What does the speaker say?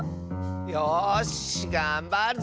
よしがんばるぞ！